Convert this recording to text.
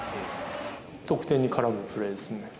得点に絡むプレーですね。